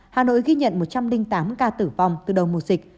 hà nội ghi nhận một trăm linh tám ca tử vong từ đầu mùa dịch